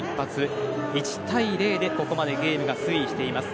その１対０でここまでゲームが推移しています。